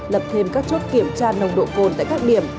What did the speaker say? lập thêm các chốt kiểm tra nồng độ cồn tại các điểm